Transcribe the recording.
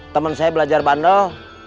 temen saya belajar bandel